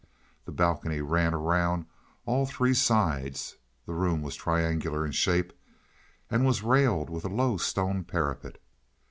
The balcony ran around all three sides (the room was triangular in shape) and was railed with a low stone parapet.